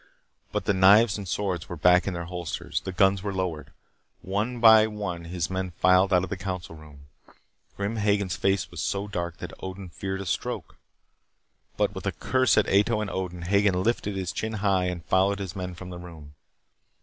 But the knives and swords were back in their holsters. The guns were lowered. One by one his men filed out of the council room. Grim Hagen's face was so dark that Odin feared a stroke. But with a curse at Ato and Odin, Hagen lifted his chin high and followed his men from the room.